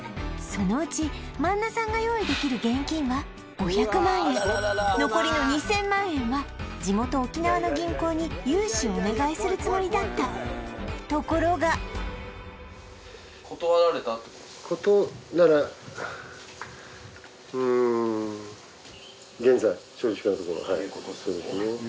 そのうち満名さんが用意できる現金は５００万円残りの２０００万円は地元沖縄の銀行に融資をお願いするつもりだったところがうんそういうことっすね